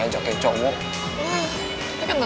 walaupun penampilan yang begini